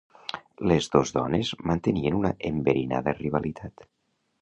Les dos dones mantenien una enverinada rivalitat.